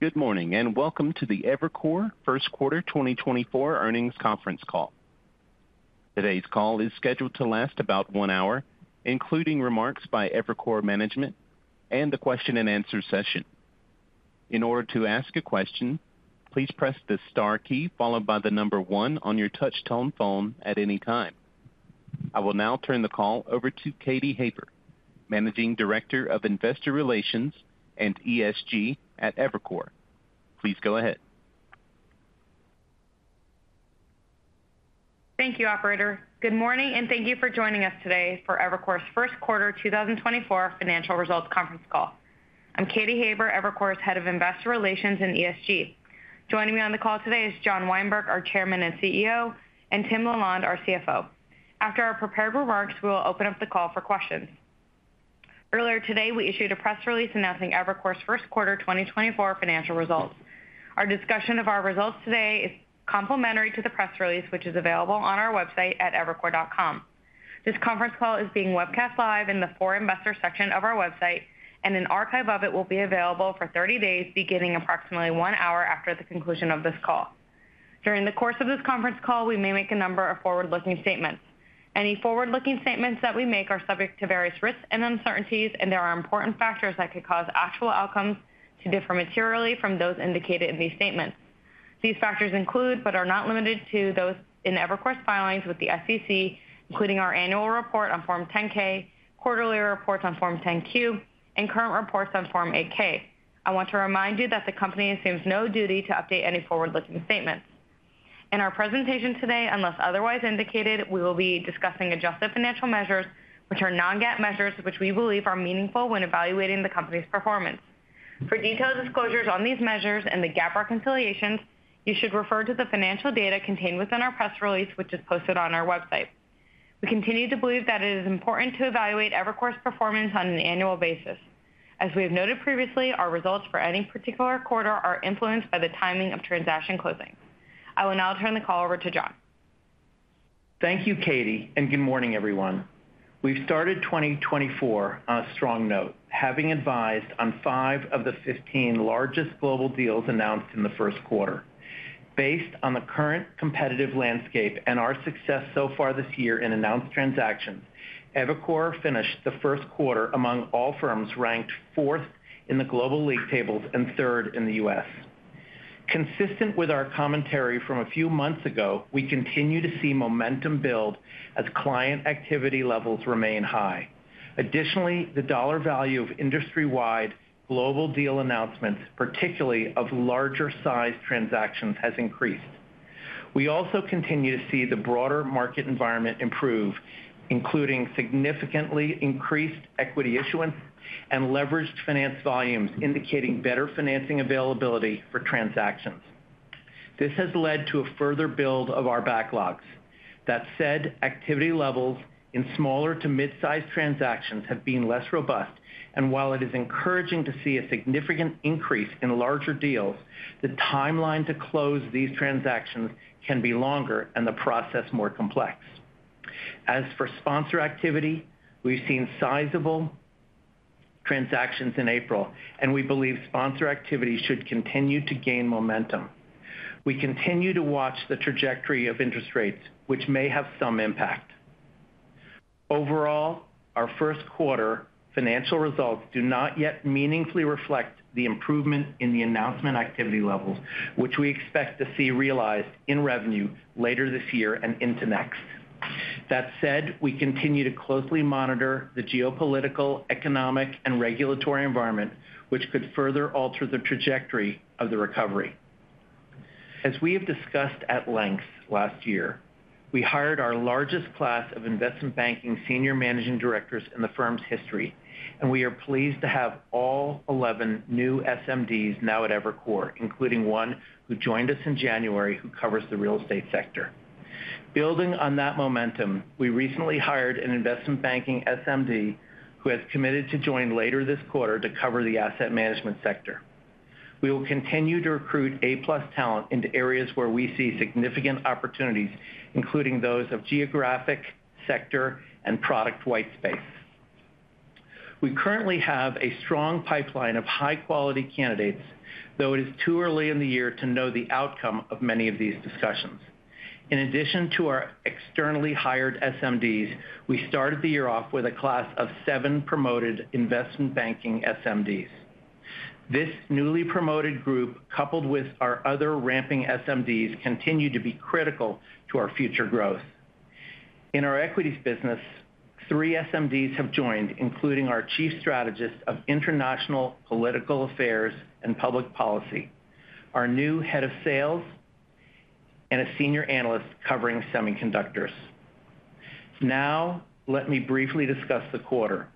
Good morning, and welcome to the Evercore First Quarter 2024 earnings conference call. Today's call is scheduled to last about one hour, including remarks by Evercore management and the question and answer session. In order to ask a question, please press the star key, followed by the number one on your touch-tone phone at any time. I will now turn the call over to Katy Haber, Managing Director of Investor Relations and ESG at Evercore. Please go ahead. Thank you, operator. Good morning, and thank you for joining us today for Evercore's First Quarter 2024 financial results conference call. I'm Katy Haber, Evercore's Head of Investor Relations and ESG. Joining me on the call today is John Weinberg, our Chairman and CEO, and Tim LaLonde, our CFO. After our prepared remarks, we will open up the call for questions. Earlier today, we issued a press release announcing Evercore's First Quarter 2024 financial results. Our discussion of our results today is complementary to the press release, which is available on our website at evercore.com. This conference call is being webcast live in the For Investors section of our website, and an archive of it will be available for 30 days, beginning approximately one hour after the conclusion of this call. During the course of this conference call, we may make a number of forward-looking statements. Any forward-looking statements that we make are subject to various risks and uncertainties, and there are important factors that could cause actual outcomes to differ materially from those indicated in these statements. These factors include, but are not limited to, those in Evercore's filings with the SEC, including our annual report on Form 10-K, quarterly reports on Form 10-Q, and current reports on Form 8-K. I want to remind you that the company assumes no duty to update any forward-looking statements. In our presentation today, unless otherwise indicated, we will be discussing adjusted financial measures, which are non-GAAP measures, which we believe are meaningful when evaluating the company's performance. For detailed disclosures on these measures and the GAAP reconciliations, you should refer to the financial data contained within our press release, which is posted on our website. We continue to believe that it is important to evaluate Evercore's performance on an annual basis. As we have noted previously, our results for any particular quarter are influenced by the timing of transaction closing. I will now turn the call over to John. Thank you, Katy, and good morning, everyone. We've started 2024 on a strong note, having advised on five of the 15 largest global deals announced in the first quarter. Based on the current competitive landscape and our success so far this year in announced transactions, Evercore finished the first quarter among all firms, ranked 4th in the global league tables and 3rd in the U.S. Consistent with our commentary from a few months ago, we continue to see momentum build as client activity levels remain high. Additionally, the dollar value of industry-wide global deal announcements, particularly of larger sized transactions, has increased. We also continue to see the broader market environment improve, including significantly increased equity issuance and leveraged finance volumes, indicating better financing availability for transactions. This has led to a further build of our backlogs. That said, activity levels in smaller to mid-size transactions have been less robust, and while it is encouraging to see a significant increase in larger deals, the timeline to close these transactions can be longer and the process more complex. As for sponsor activity, we've seen sizable transactions in April, and we believe sponsor activity should continue to gain momentum. We continue to watch the trajectory of interest rates, which may have some impact. Overall, our first quarter financial results do not yet meaningfully reflect the improvement in the announcement activity levels, which we expect to see realized in revenue later this year and into next. That said, we continue to closely monitor the geopolitical, economic, and regulatory environment, which could further alter the trajectory of the recovery. As we have discussed at length last year, we hired our largest class of investment banking senior managing directors in the firm's history, and we are pleased to have all 11 new SMDs now at Evercore, including one who joined us in January, who covers the real estate sector. Building on that momentum, we recently hired an investment banking SMD, who has committed to join later this quarter to cover the asset management sector. We will continue to recruit A+ talent into areas where we see significant opportunities, including those of geographic, sector, and product white space. We currently have a strong pipeline of high-quality candidates, though it is too early in the year to know the outcome of many of these discussions. In addition to our externally hired SMDs, we started the year off with a class of seven promoted investment banking SMDs. This newly promoted group, coupled with our other ramping SMDs, continue to be critical to our future growth. In our equities business, three SMDs have joined, including our Chief Strategist of International Political Affairs and Public Policy, our new Head of Sales, and a senior analyst covering semiconductors. Now, let me briefly discuss the quarter.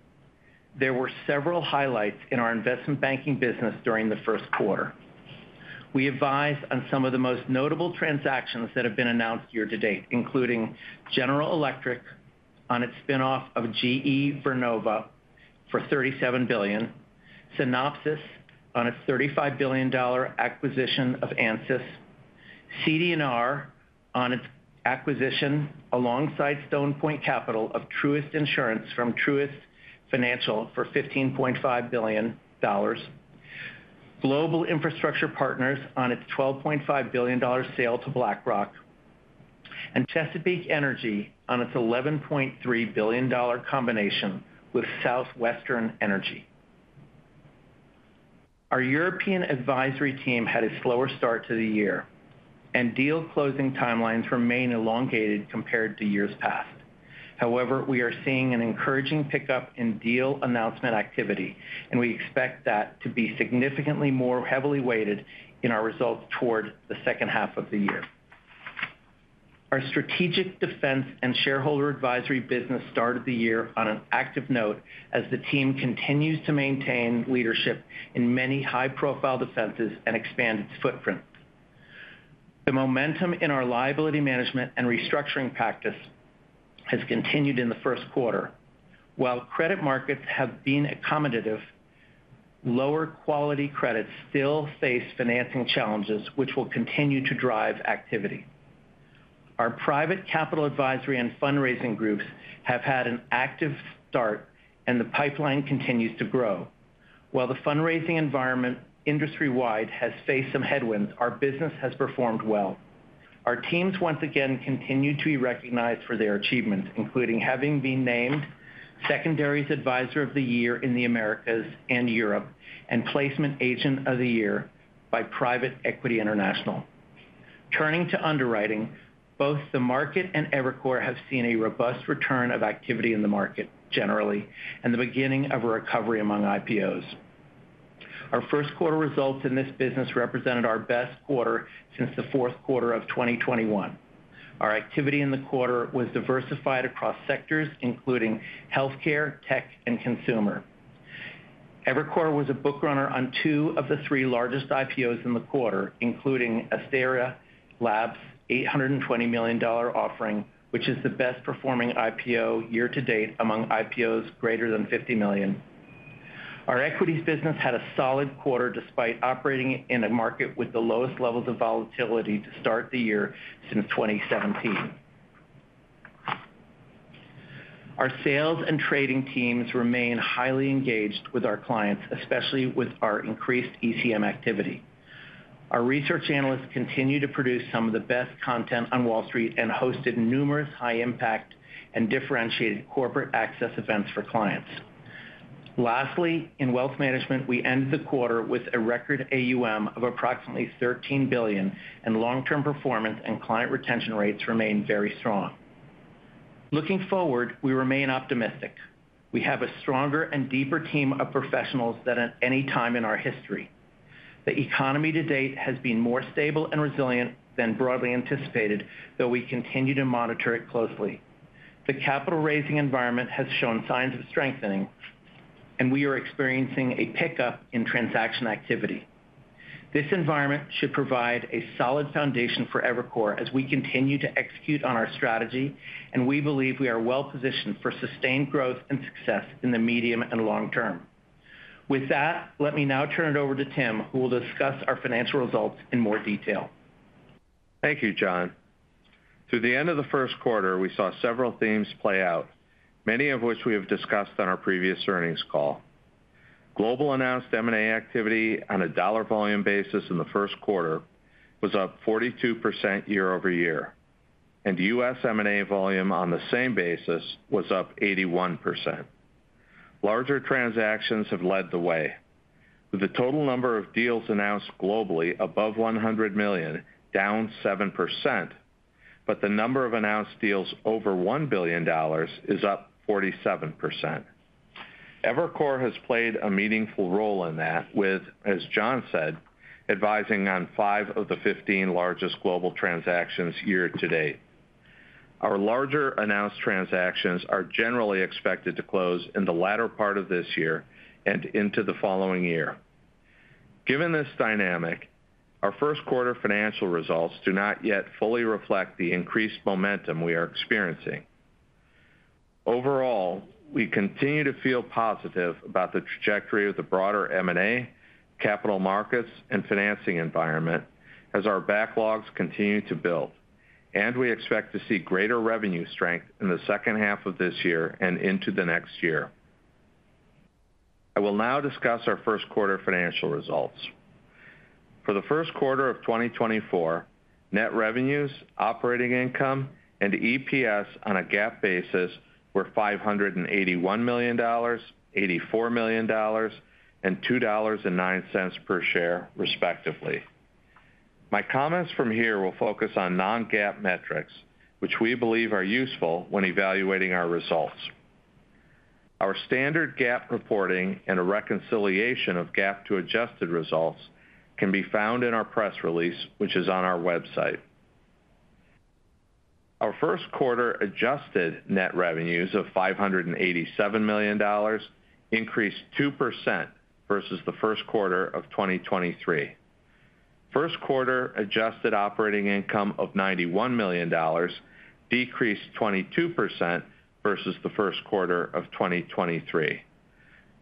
There were several highlights in our investment banking business during the first quarter. We advise on some of the most notable transactions that have been announced year to date, including General Electric on its spin-off of GE Vernova for $37 billion, Synopsys on its $35 billion acquisition of Ansys.... CD&R on its acquisition alongside Stone Point Capital of Truist Insurance from Truist Financial for $15.5 billion, Global Infrastructure Partners on its $12.5 billion sale to BlackRock, and Chesapeake Energy on its $11.3 billion combination with Southwestern Energy. Our European advisory team had a slower start to the year, and deal closing timelines remain elongated compared to years past. However, we are seeing an encouraging pickup in deal announcement activity, and we expect that to be significantly more heavily weighted in our results toward the second half of the year. Our strategic defense and shareholder advisory business started the year on an active note as the team continues to maintain leadership in many high-profile defenses and expand its footprint. The momentum in our liability management and restructuring practice has continued in the first quarter. While credit markets have been accommodative, lower quality credits still face financing challenges, which will continue to drive activity. Our private capital advisory and fundraising groups have had an active start, and the pipeline continues to grow. While the fundraising environment industry-wide has faced some headwinds, our business has performed well. Our teams once again continued to be recognized for their achievements, including having been named Secondaries Advisor of the Year in the Americas and Europe, and Placement Agent of the Year by Private Equity International. Turning to underwriting, both the market and Evercore have seen a robust return of activity in the market generally, and the beginning of a recovery among IPOs. Our first quarter results in this business represented our best quarter since the fourth quarter of 2021. Our activity in the quarter was diversified across sectors, including healthcare, tech, and consumer. Evercore was a book runner on two of the three largest IPOs in the quarter, including Astera Labs's $820 million offering, which is the best-performing IPO year to date among IPOs greater than $50 million. Our equities business had a solid quarter, despite operating in a market with the lowest levels of volatility to start the year since 2017. Our sales and trading teams remain highly engaged with our clients, especially with our increased ECM activity. Our research analysts continue to produce some of the best content on Wall Street and hosted numerous high-impact and differentiated corporate access events for clients. Lastly, in wealth management, we ended the quarter with a record AUM of approximately $13 billion, and long-term performance and client retention rates remain very strong. Looking forward, we remain optimistic. We have a stronger and deeper team of professionals than at any time in our history. The economy to date has been more stable and resilient than broadly anticipated, though we continue to monitor it closely. The capital-raising environment has shown signs of strengthening, and we are experiencing a pickup in transaction activity. This environment should provide a solid foundation for Evercore as we continue to execute on our strategy, and we believe we are well positioned for sustained growth and success in the medium and long term. With that, let me now turn it over to Tim, who will discuss our financial results in more detail. Thank you, John. Through the end of the first quarter, we saw several themes play out, many of which we have discussed on our previous earnings call. Global announced M&A activity on a dollar volume basis in the first quarter was up 42% year-over-year, and U.S. M&A volume on the same basis was up 81%. Larger transactions have led the way, with the total number of deals announced globally above $100 million, down 7%, but the number of announced deals over $1 billion is up 47%. Evercore has played a meaningful role in that with, as John said, advising on five of the 15 largest global transactions year-to-date. Our larger announced transactions are generally expected to close in the latter part of this year and into the following year. Given this dynamic, our first quarter financial results do not yet fully reflect the increased momentum we are experiencing. Overall, we continue to feel positive about the trajectory of the broader M&A, capital markets, and financing environment as our backlogs continue to build, and we expect to see greater revenue strength in the second half of this year and into the next year. I will now discuss our first quarter financial results. For the first quarter of 2024, net revenues, operating income, and EPS on a GAAP basis were $581 million, $84 million, and $2.09 per share, respectively. My comments from here will focus on non-GAAP metrics, which we believe are useful when evaluating our results. Our standard GAAP reporting and a reconciliation of GAAP to adjusted results can be found in our press release, which is on our website. Our first quarter adjusted net revenues of $587 million increased 2% versus the first quarter of 2023. First quarter adjusted operating income of $91 million decreased 22% versus the first quarter of 2023.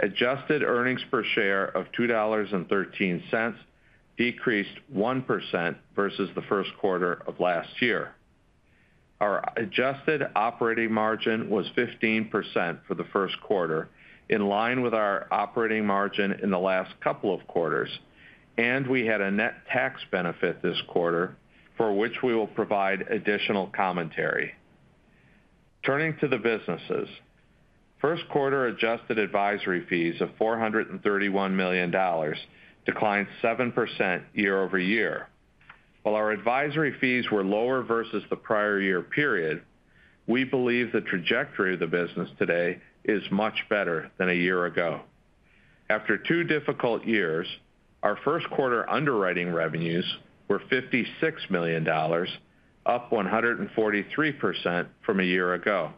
Adjusted earnings per share of $2.13 decreased 1% versus the first quarter of last year. Our adjusted operating margin was 15% for the first quarter, in line with our operating margin in the last couple of quarters, and we had a net tax benefit this quarter, for which we will provide additional commentary. Turning to the businesses. First quarter adjusted advisory fees of $431 million declined 7% year-over-year. While our advisory fees were lower versus the prior year period, we believe the trajectory of the business today is much better than a year ago. After two difficult years, our first quarter underwriting revenues were $56 million, up 143% from a year ago.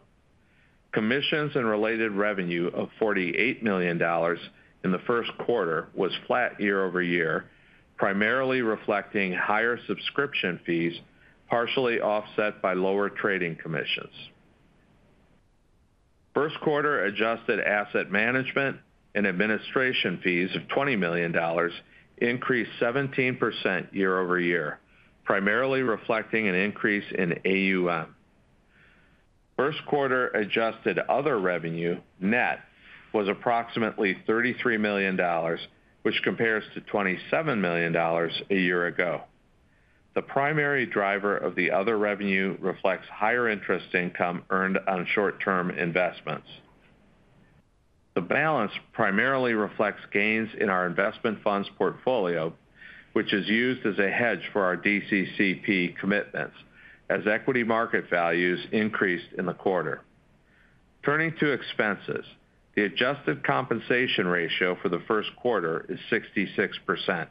Commissions and related revenue of $48 million in the first quarter was flat year-over-year, primarily reflecting higher subscription fees, partially offset by lower trading commissions. First quarter adjusted asset management and administration fees of $20 million increased 17% year-over-year, primarily reflecting an increase in AUM. First quarter adjusted other revenue net was approximately $33 million, which compares to $27 million a year ago. The primary driver of the other revenue reflects higher interest income earned on short-term investments. The balance primarily reflects gains in our investment funds portfolio, which is used as a hedge for our DCCP commitments as equity market values increased in the quarter. Turning to expenses. The adjusted compensation ratio for the first quarter is 66%.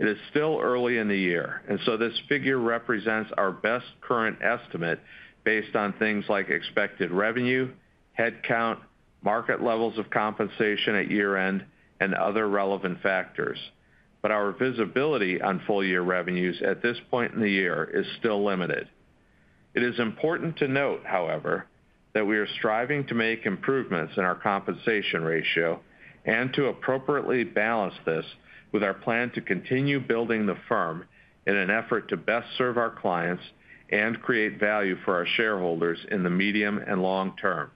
It is still early in the year, and so this figure represents our best current estimate based on things like expected revenue, headcount, market levels of compensation at year-end, and other relevant factors. But our visibility on full-year revenues at this point in the year is still limited. It is important to note, however, that we are striving to make improvements in our compensation ratio and to appropriately balance this with our plan to continue building the firm in an effort to best serve our clients and create value for our shareholders in the medium and long term.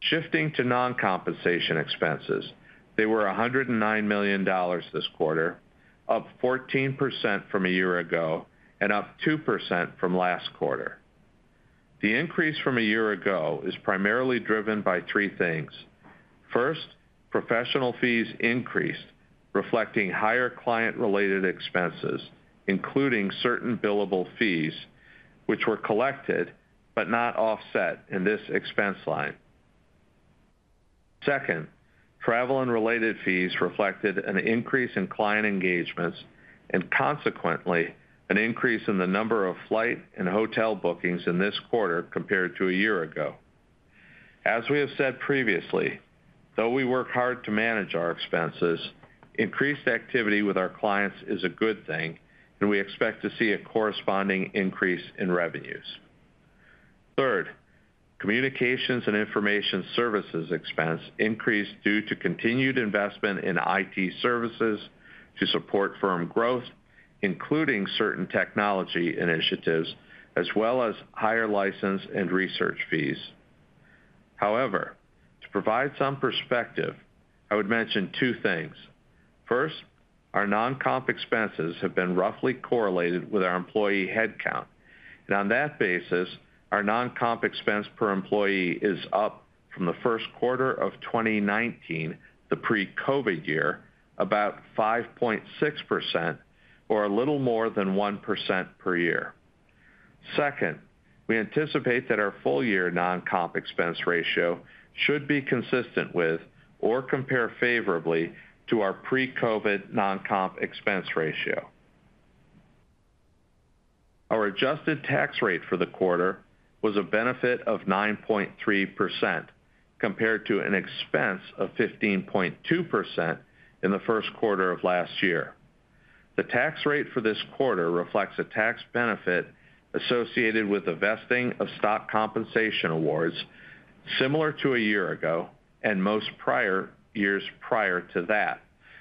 Shifting to non-compensation expenses, they were $109 million this quarter, up 14% from a year ago and up 2% from last quarter. The increase from a year ago is primarily driven by three things. First, professional fees increased, reflecting higher client-related expenses, including certain billable fees, which were collected but not offset in this expense line. Second, travel and related fees reflected an increase in client engagements and, consequently, an increase in the number of flight and hotel bookings in this quarter compared to a year ago. As we have said previously, though we work hard to manage our expenses, increased activity with our clients is a good thing, and we expect to see a corresponding increase in revenues. Third, communications and information services expense increased due to continued investment in IT services to support firm growth, including certain technology initiatives, as well as higher license and research fees. However, to provide some perspective, I would mention two things. First, our non-comp expenses have been roughly correlated with our employee headcount, and on that basis, our non-comp expense per employee is up from the first quarter of 2019, the pre-COVID year, about 5.6% or a little more than 1% per year. Second, we anticipate that our full-year non-comp expense ratio should be consistent with or compare favorably to our pre-COVID non-comp expense ratio. Our adjusted tax rate for the quarter was a benefit of 9.3%, compared to an expense of 15.2% in the first quarter of last year. The tax rate for this quarter reflects a tax benefit associated with the vesting of stock compensation awards similar to a year ago and most prior years prior to that,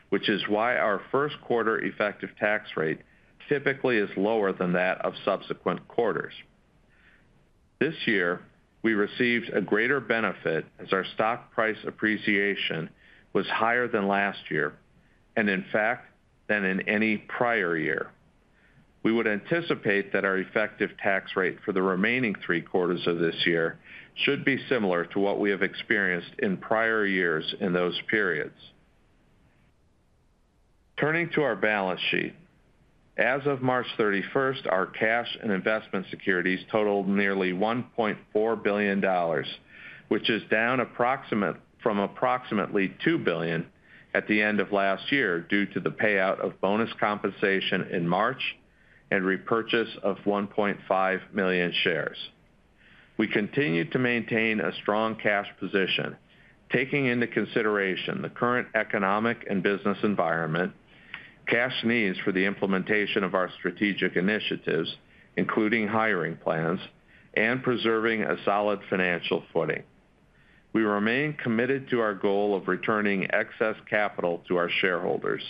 which is why our first quarter effective tax rate typically is lower than that of subsequent quarters. This year, we received a greater benefit as our stock price appreciation was higher than last year and, in fact, than in any prior year. We would anticipate that our effective tax rate for the remaining three quarters of this year should be similar to what we have experienced in prior years in those periods. Turning to our balance sheet. As of March 31, our cash and investment securities totaled nearly $1.4 billion, which is down from approximately $2 billion at the end of last year due to the payout of bonus compensation in March and repurchase of 1.5 million shares. We continue to maintain a strong cash position, taking into consideration the current economic and business environment... cash needs for the implementation of our strategic initiatives, including hiring plans and preserving a solid financial footing. We remain committed to our goal of returning excess capital to our shareholders.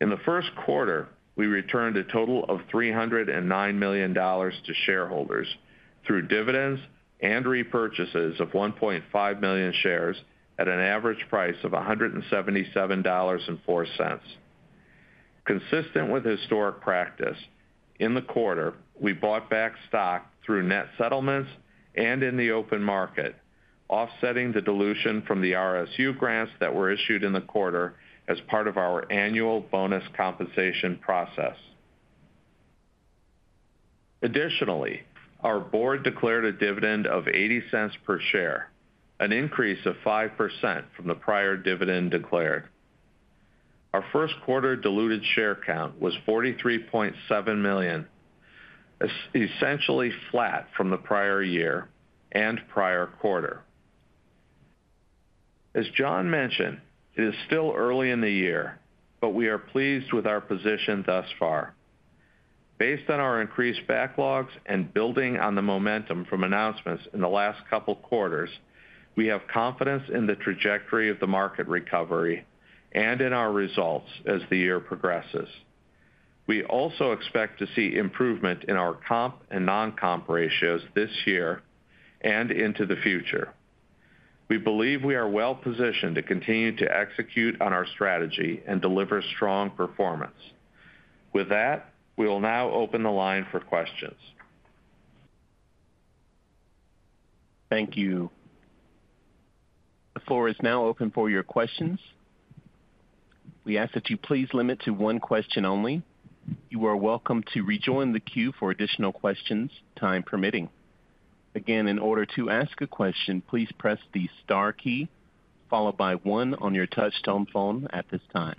In the first quarter, we returned a total of $309 million to shareholders through dividends and repurchases of 1.5 million shares at an average price of $177.04. Consistent with historic practice, in the quarter, we bought back stock through net settlements and in the open market, offsetting the dilution from the RSU grants that were issued in the quarter as part of our annual bonus compensation process. Additionally, our board declared a dividend of $0.80 per share, an increase of 5% from the prior dividend declared. Our first quarter diluted share count was 43.7 million, essentially flat from the prior year and prior quarter. As John mentioned, it is still early in the year, but we are pleased with our position thus far. Based on our increased backlogs and building on the momentum from announcements in the last couple of quarters, we have confidence in the trajectory of the market recovery and in our results as the year progresses. We also expect to see improvement in our comp and non-comp ratios this year and into the future. We believe we are well positioned to continue to execute on our strategy and deliver strong performance. With that, we will now open the line for questions. Thank you. The floor is now open for your questions. We ask that you please limit to one question only. You are welcome to rejoin the queue for additional questions, time permitting. Again, in order to ask a question, please press the star key, followed by one on your touch tone phone at this time.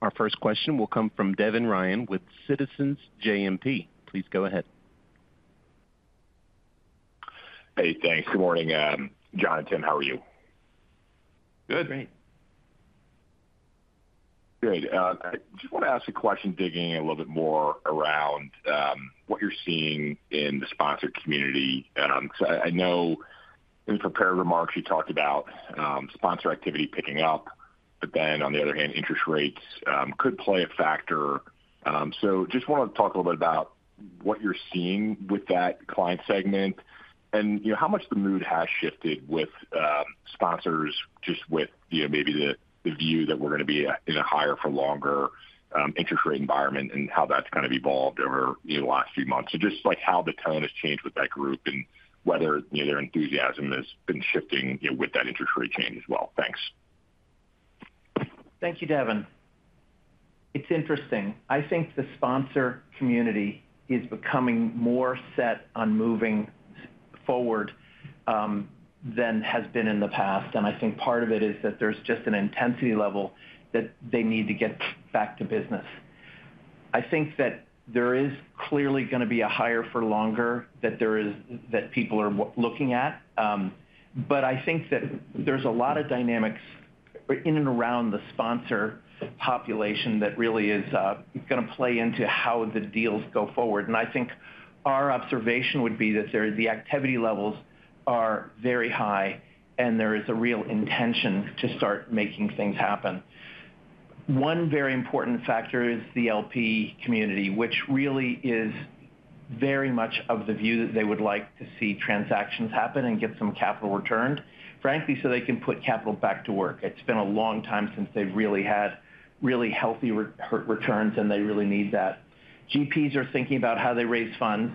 Our first question will come from Devin Ryan with Citizens JMP. Please go ahead. Hey, thanks. Good morning, John and Tim, how are you? Good. Great. Great. I just want to ask a question, digging a little bit more around what you're seeing in the sponsor community. So I know in prepared remarks, you talked about sponsor activity picking up, but then on the other hand, interest rates could play a factor. So just want to talk a little bit about what you're seeing with that client segment and, you know, how much the mood has shifted with sponsors, just with, you know, maybe the view that we're going to be in a higher for longer interest rate environment and how that's kind of evolved over, you know, the last few months. So just like how the tone has changed with that group and whether, you know, their enthusiasm has been shifting, you know, with that interest rate change as well. Thanks. Thank you, Devin. It's interesting. I think the sponsor community is becoming more set on moving forward than has been in the past. And I think part of it is that there's just an intensity level that they need to get back to business. I think that there is clearly going to be a higher for longer that people are looking at, but I think that there's a lot of dynamics in and around the sponsor population that really is going to play into how the deals go forward. And I think our observation would be that there, the activity levels are very high, and there is a real intention to start making things happen. One very important factor is the LP community, which really is very much of the view that they would like to see transactions happen and get some capital returned, frankly, so they can put capital back to work. It's been a long time since they've really had really healthy returns, and they really need that. GPs are thinking about how they raise funds,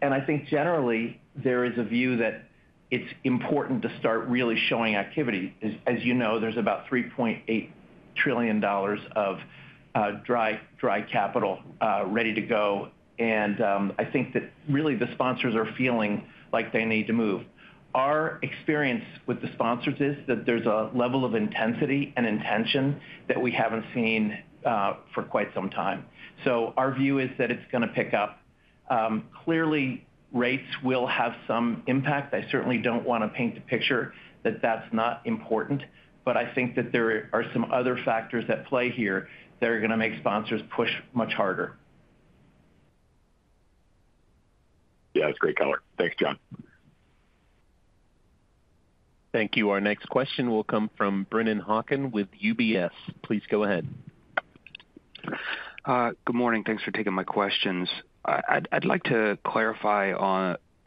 and I think generally, there is a view that it's important to start really showing activity. As you know, there's about $3.8 trillion of dry capital ready to go, and I think that really, the sponsors are feeling like they need to move. Our experience with the sponsors is that there's a level of intensity and intention that we haven't seen for quite some time. So our view is that it's going to pick up. Clearly, rates will have some impact. I certainly don't want to paint the picture that that's not important, but I think that there are some other factors at play here that are going to make sponsors push much harder. Yeah, that's great color. Thanks, John. Thank you. Our next question will come from Brennan Hawken with UBS. Please go ahead. Good morning. Thanks for taking my questions. I'd like to clarify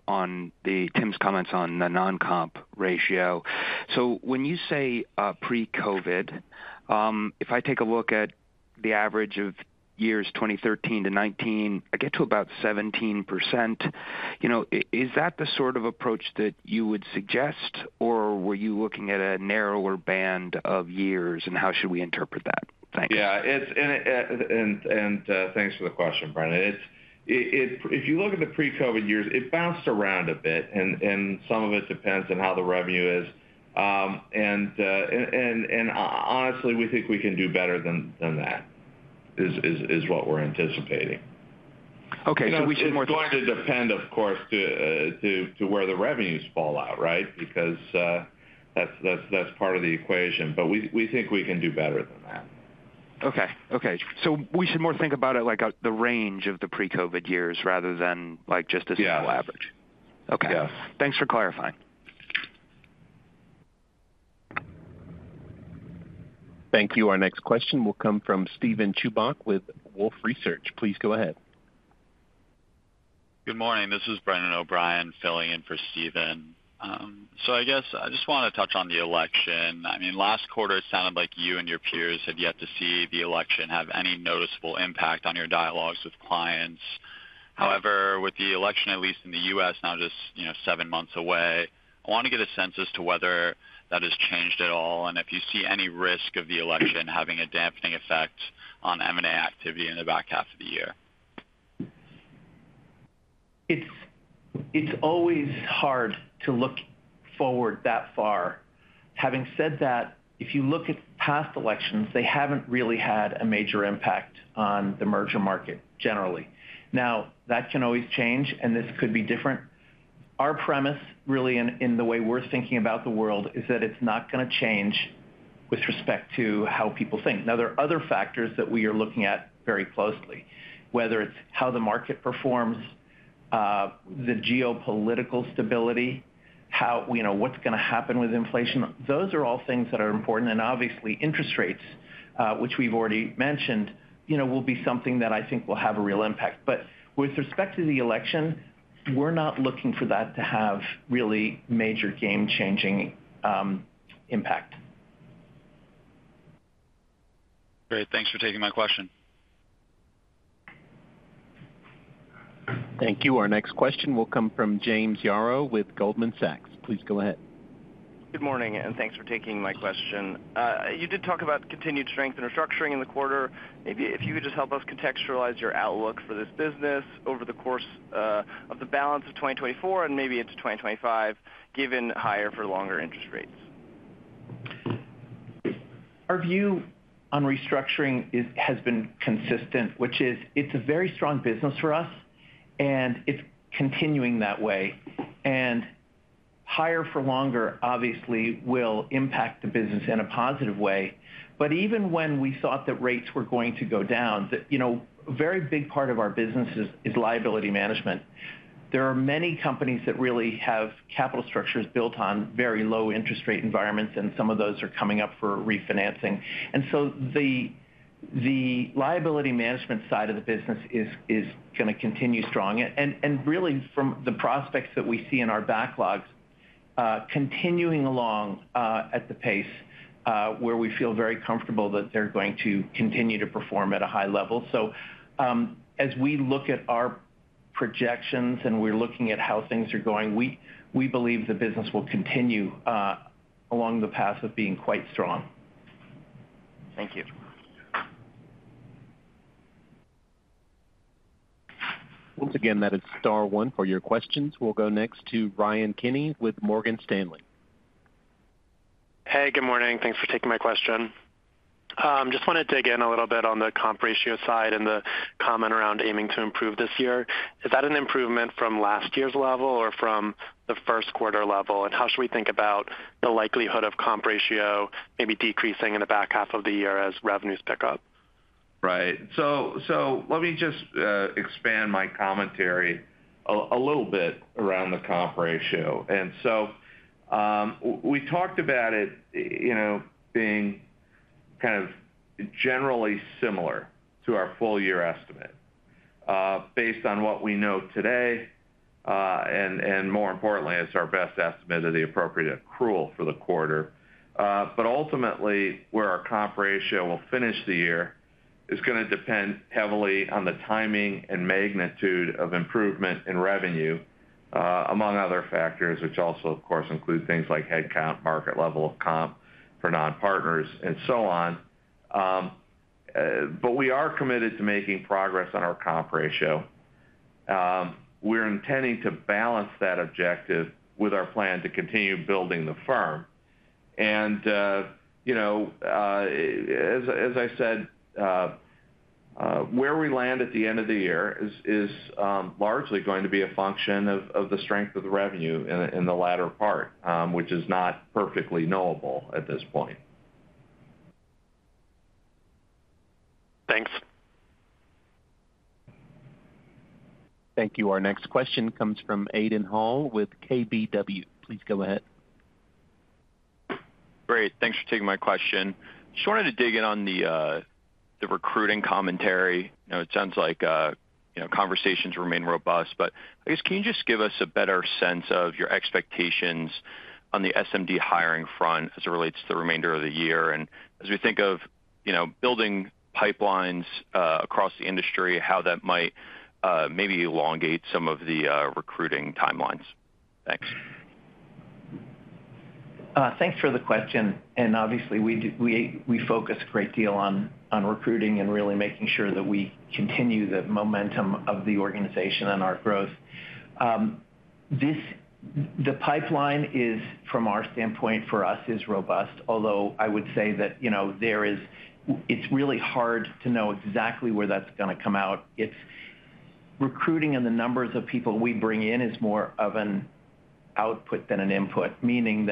on the Tim's comments on the non-comp ratio. So when you say pre-COVID, if I take a look at the average of years 2013-2019, I get to about 17%. You know, is that the sort of approach that you would suggest, or were you looking at a narrower band of years, and how should we interpret that? Thanks. Yeah, it's... And thanks for the question, Brennan. It's if you look at the pre-COVID years, it bounced around a bit, and some of it depends on how the revenue is. Honestly, we think we can do better than that, is what we're anticipating. Okay, so it's going to depend, of course, to where the revenues fall out, right? Because, that's part of the equation, but we think we can do better than that. Okay. Okay. So we should more think about it like a, the range of the pre-COVID years rather than, like, just a single average. Yeah. Okay. Yeah. Thanks for clarifying. Thank you. Our next question will come from Steven Chubak with Wolfe Research. Please go ahead. Good morning, this is Brendan O'Brien, filling in for Steven. So I guess I just want to touch on the election. I mean, last quarter, it sounded like you and your peers had yet to see the election have any noticeable impact on your dialogues with clients. However, with the election, at least in the U.S., now just, you know, seven months away, I want to get a sense as to whether that has changed at all, and if you see any risk of the election having a dampening effect on M&A activity in the back half of the year. It's always hard to look forward that far. Having said that, if you look at past elections, they haven't really had a major impact on the merger market generally. Now, that can always change, and this could be different. Our premise, really, in the way we're thinking about the world, is that it's not gonna change with respect to how people think. Now, there are other factors that we are looking at very closely, whether it's how the market performs, the geopolitical stability, how, you know, what's gonna happen with inflation. Those are all things that are important, and obviously, interest rates, which we've already mentioned, you know, will be something that I think will have a real impact. But with respect to the election, we're not looking for that to have really major game-changing impact. Great, thanks for taking my question. Thank you. Our next question will come from James Yaro with Goldman Sachs. Please go ahead. Good morning, and thanks for taking my question. You did talk about continued strength and restructuring in the quarter. Maybe if you could just help us contextualize your outlook for this business over the course of the balance of 2024 and maybe into 2025, given higher for longer interest rates? Our view on restructuring has been consistent, which is it's a very strong business for us, and it's continuing that way. And higher for longer, obviously, will impact the business in a positive way. But even when we thought that rates were going to go down, that, you know, a very big part of our business is liability management. There are many companies that really have capital structures built on very low interest rate environments, and some of those are coming up for refinancing. And so the liability management side of the business is gonna continue strong. And really, from the prospects that we see in our backlogs, continuing along at the pace where we feel very comfortable that they're going to continue to perform at a high level. So, as we look at our projections and we're looking at how things are going, we believe the business will continue along the path of being quite strong. Thank you. Once again, that is star one for your questions. We'll go next to Ryan Kinney with Morgan Stanley. Hey, good morning. Thanks for taking my question. Just want to dig in a little bit on the comp ratio side and the comment around aiming to improve this year. Is that an improvement from last year's level or from the first quarter level? And how should we think about the likelihood of comp ratio maybe decreasing in the back half of the year as revenues pick up? Right. So let me just expand my commentary a little bit around the comp ratio. And so we talked about it, you know, being kind of generally similar to our full year estimate based on what we know today, and more importantly, it's our best estimate of the appropriate accrual for the quarter. But ultimately, where our comp ratio will finish the year is gonna depend heavily on the timing and magnitude of improvement in revenue among other factors, which also, of course, include things like headcount, market level of comp for non-partners, and so on. But we are committed to making progress on our comp ratio. We're intending to balance that objective with our plan to continue building the firm. You know, as I said, where we land at the end of the year is largely going to be a function of the strength of the revenue in the latter part, which is not perfectly knowable at this point. Thanks. Thank you. Our next question comes from Aidan Hall with KBW. Please go ahead. Great, thanks for taking my question. Just wanted to dig in on the recruiting commentary. You know, it sounds like you know, conversations remain robust, but I guess, can you just give us a better sense of your expectations on the SMD hiring front as it relates to the remainder of the year, and as we think of, you know, building pipelines across the industry, how that might maybe elongate some of the recruiting timelines? Thanks. Thanks for the question, and obviously, we—we focus a great deal on recruiting and really making sure that we continue the momentum of the organization and our growth. The pipeline is, from our standpoint, for us, robust. Although I would say that, you know, there is it's really hard to know exactly where that's gonna come out. It's recruiting, and the numbers of people we bring in is more of an output than an input, meaning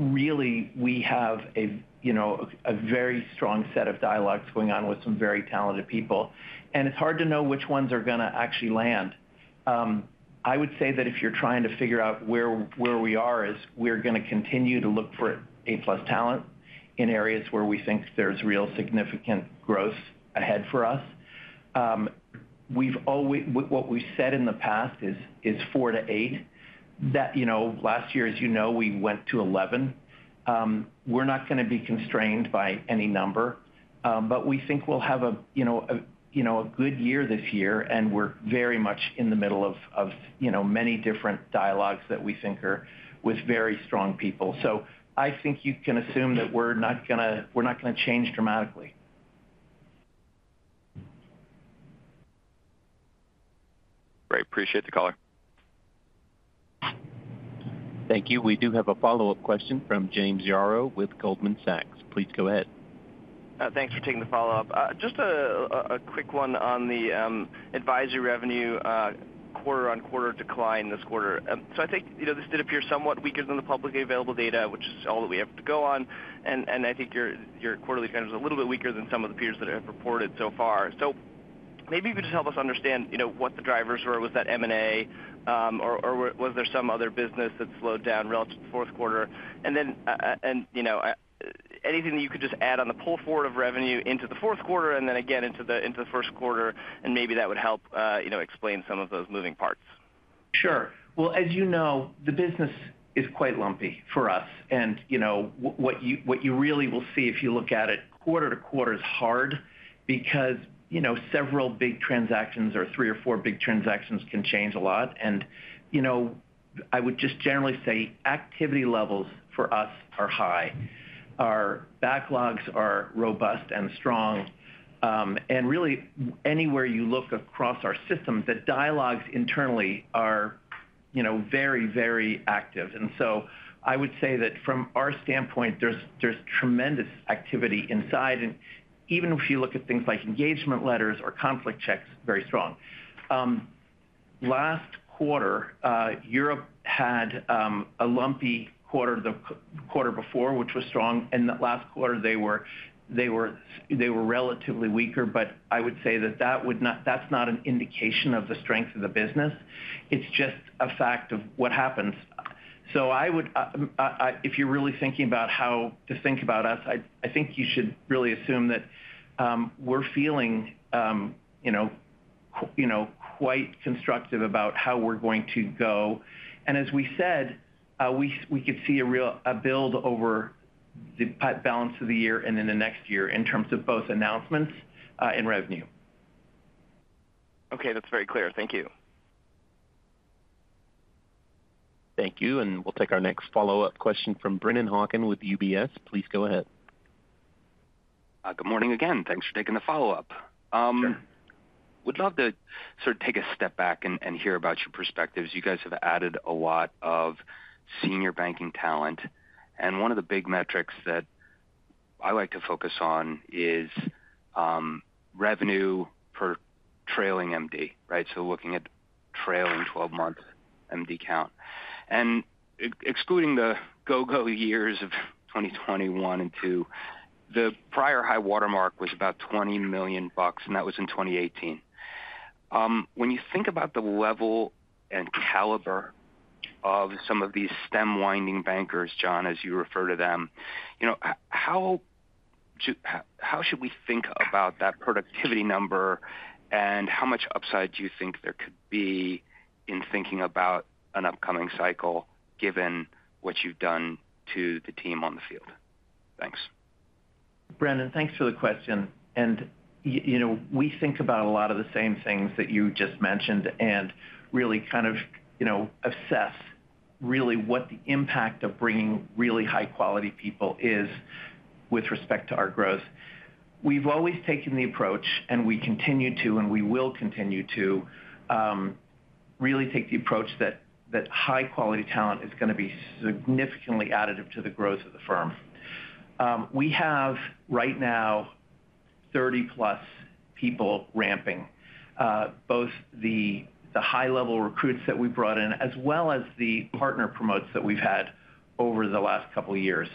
that really we have a, you know, a very strong set of dialogues going on with some very talented people, and it's hard to know which ones are gonna actually land. I would say that if you're trying to figure out where we are, we're gonna continue to look for A+ talent in areas where we think there's real significant growth ahead for us. What we've always said in the past is four to eight. That, you know, last year, as you know, we went to 11. We're not gonna be constrained by any number, but we think we'll have a good year this year, and we're very much in the middle of many different dialogues that we think are with very strong people. So I think you can assume that we're not gonna, we're not gonna change dramatically. Great, appreciate the color. Thank you. We do have a follow-up question from James Yaro with Goldman Sachs. Please go ahead. Thanks for taking the follow-up. Just a quick one on the advisory revenue quarter-on-quarter decline this quarter. So I think, you know, this did appear somewhat weaker than the publicly available data, which is all that we have to go on. And I think your quarterly trend is a little bit weaker than some of the peers that have reported so far. So maybe you could just help us understand, you know, what the drivers were. Was that M&A? Or was there some other business that slowed down relative to the fourth quarter? And then, you know, anything that you could just add on the pull forward of revenue into the fourth quarter and then again into the first quarter, and maybe that would help, you know, explain some of those moving parts. Sure. Well, as you know, the business is quite lumpy for us, and, you know, what you really will see if you look at it quarter to quarter is hard because, you know, several big transactions or three or four big transactions can change a lot. And, you know, I would just generally say activity levels for us are high. Our backlogs are robust and strong, and really, anywhere you look across our systems, the dialogues internally are, you know, very, very active. And so I would say that from our standpoint, there's tremendous activity inside, and even if you look at things like engagement letters or conflict checks, very strong. Last quarter, Europe had a lumpy quarter. The quarter before, which was strong, and the last quarter they were relatively weaker, but I would say that that would not—that's not an indication of the strength of the business. It's just a fact of what happens. So I would, if you're really thinking about how to think about us, I think you should really assume that, we're feeling, you know, you know, quite constructive about how we're going to go. And as we said, we could see a real build over the balance of the year and in the next year in terms of both announcements and revenue. Okay, that's very clear. Thank you. Thank you, and we'll take our next follow-up question from Brennan Hawken with UBS. Please go ahead. Good morning again. Thanks for taking the follow-up. Sure. Would love to sort of take a step back and hear about your perspectives. You guys have added a lot of senior banking talent, and one of the big metrics that I like to focus on is revenue per trailing MD, right? So looking at trailing 12 month MD count. And excluding the go-go years of 2021 and 2022, the prior high watermark was about $20 million, and that was in 2018. When you think about the level and caliber of some of these stem-winding bankers, John, as you refer to them, you know, how should we think about that productivity number? And how much upside do you think there could be in thinking about an upcoming cycle, given what you've done to the team on the field? Thanks. Brennan, thanks for the question. You know, we think about a lot of the same things that you just mentioned and really kind of, you know, assess really what the impact of bringing really high-quality people is with respect to our growth. We've always taken the approach, and we continue to, and we will continue to, really take the approach that high-quality talent is gonna be significantly additive to the growth of the firm. We have, right now, 30+ people ramping, both the high-level recruits that we brought in, as well as the partner promotes that we've had over the last couple of years.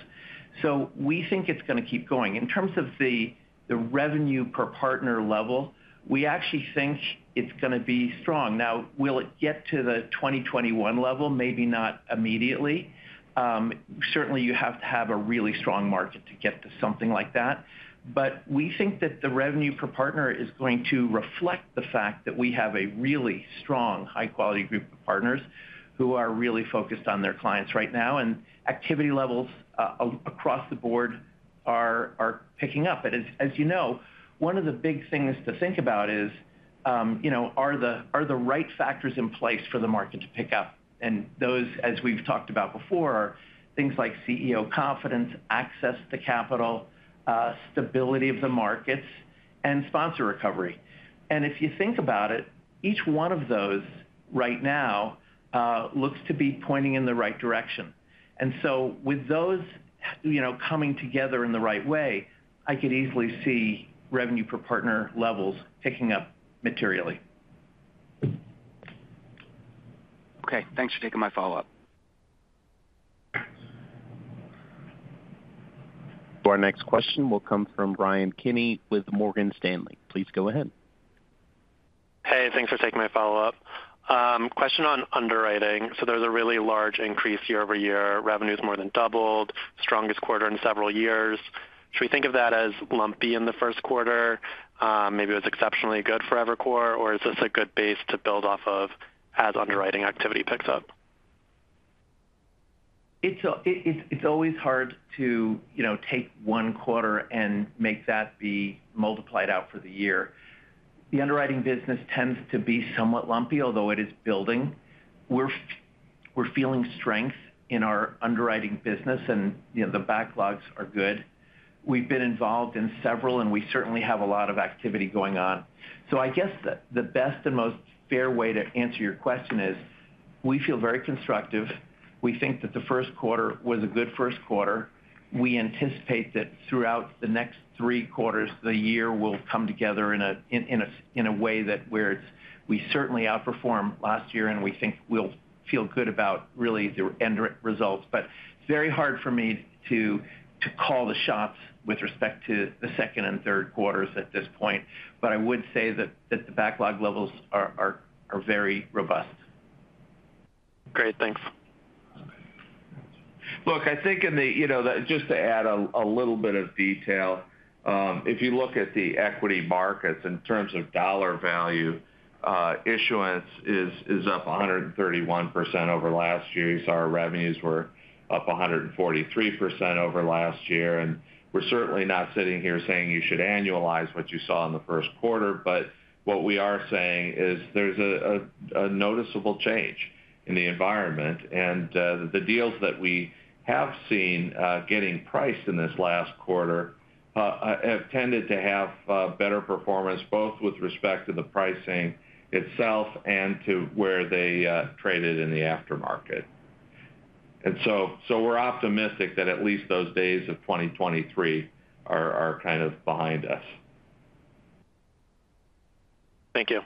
So we think it's gonna keep going. In terms of the revenue per partner level, we actually think it's gonna be strong. Now, will it get to the 2021 level? Maybe not immediately. Certainly, you have to have a really strong market to get to something like that. But we think that the revenue per partner is going to reflect the fact that we have a really strong, high-quality group of partners who are really focused on their clients right now, and activity levels across the board are picking up. But as you know, one of the big things to think about is, you know, are the right factors in place for the market to pick up? And those, as we've talked about before, are things like CEO confidence, access to capital, stability of the markets... and sponsor recovery. And if you think about it, each one of those right now looks to be pointing in the right direction. And so with those, you know, coming together in the right way, I could easily see revenue per partner levels ticking up materially. Okay, thanks for taking my follow-up. Our next question will come from Ryan Kenny with Morgan Stanley. Please go ahead. Hey, thanks for taking my follow-up. Question on underwriting. So there's a really large increase year-over-year. Revenue's more than doubled, strongest quarter in several years. Should we think of that as lumpy in the first quarter? Maybe it was exceptionally good for Evercore, or is this a good base to build off of as underwriting activity picks up? It's always hard to, you know, take one quarter and make that be multiplied out for the year. The underwriting business tends to be somewhat lumpy, although it is building. We're feeling strength in our underwriting business, and, you know, the backlogs are good. We've been involved in several, and we certainly have a lot of activity going on. So I guess the best and most fair way to answer your question is, we feel very constructive. We think that the first quarter was a good first quarter. We anticipate that throughout the next three quarters, the year will come together in a way that where it's, we certainly outperformed last year, and we think we'll feel good about really the end results. But it's very hard for me to call the shots with respect to the second and third quarters at this point, but I would say that the backlog levels are very robust. Great. Thanks. Look, I think in the, you know, just to add a little bit of detail, if you look at the equity markets in terms of dollar value, issuance is up 131% over last year's. Our revenues were up 143% over last year, and we're certainly not sitting here saying you should annualize what you saw in the first quarter. But what we are saying is there's a noticeable change in the environment, and the deals that we have seen getting priced in this last quarter have tended to have better performance, both with respect to the pricing itself and to where they traded in the aftermarket. And so we're optimistic that at least those days of 2023 are kind of behind us. Thank you.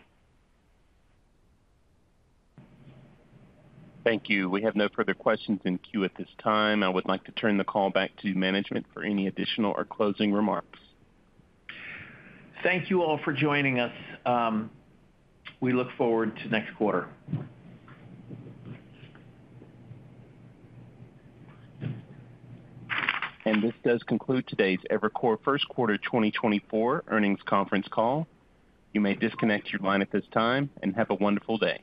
Thank you. We have no further questions in queue at this time. I would like to turn the call back to management for any additional or closing remarks. Thank you all for joining us. We look forward to next quarter. This does conclude today's Evercore first quarter 2024 earnings conference call. You may disconnect your line at this time, and have a wonderful day.